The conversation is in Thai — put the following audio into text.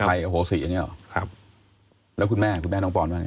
อโหสิอย่างเงี้หรอครับแล้วคุณแม่คุณแม่น้องปอนว่าไง